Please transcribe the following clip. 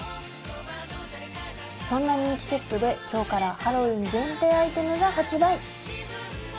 そんな人気ショップで今日からハロウィーン限定アイテムが発売。